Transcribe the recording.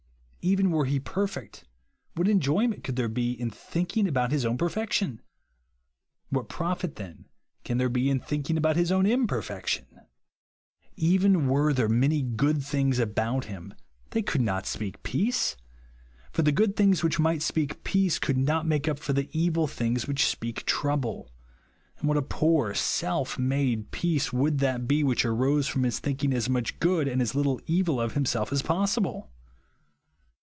Even were he perfect, what enjoyment could there be in thinking about his own perfec tion? What profit, then, can there be in thinking about his own imperfection ? Even v/ere there many good things about him, they could not SjDeak peace ; for the good things which might speak peace, could not make up for the evil things which speak trouble ; and what a poor, self made peace would that be which arose from his think ing as much good and as little evil of him self as possible.